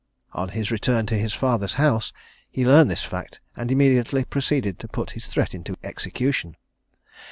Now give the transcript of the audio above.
On his return to his father's house, he learned this fact, and immediately proceeded to put his threat into execution.